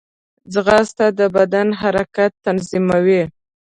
ځغاسته د بدن حرکات تنظیموي